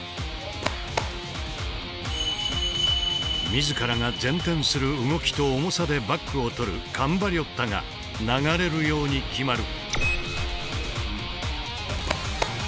自らが前転する動きと重さでバックを取るカンバリョッタが流れるように極まる。